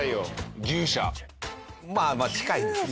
まあまあ近いです。